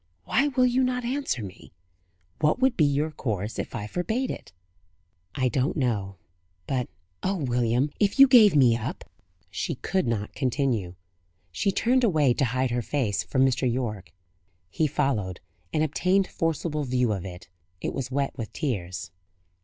Why will you not answer me? What would be your course if I forbade it?" "I do not know. But, Oh, William, if you gave me up " She could not continue. She turned away to hide her face from Mr. Yorke. He followed and obtained forcible view of it. It was wet with tears.